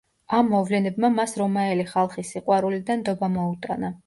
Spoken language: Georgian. ამ მოვლენებმა მას რომაელი ხალხის სიყვარული და ნდობა მოუტანა.